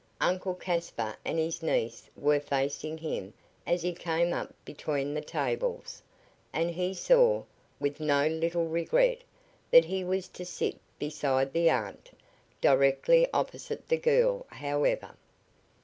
Uncle Caspar and his niece were facing him as he came up between the tables, and he saw, with no little regret, that he was to sit beside the aunt directly opposite the girl, however.